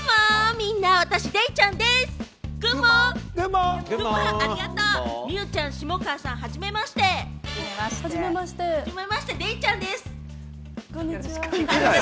みんな私、デイちゃんです！